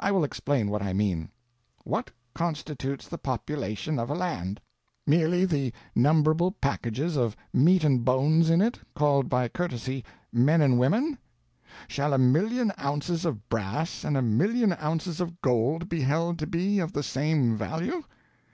I will explain what I mean. What constitutes the population of a land? Merely the numberable packages of meat and bones in it called by courtesy men and women? Shall a million ounces of brass and a million ounces of gold be held to be of the same value?